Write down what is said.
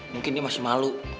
mungkin dia masih malu